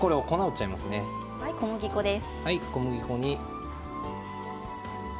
小麦粉です。